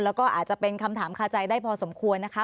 แล้วก็อาจจะเป็นคำถามคาใจได้พอสมควรนะคะ